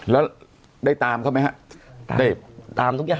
แล้วได้ตามเขาไหมฮะได้ตามทุกอย่าง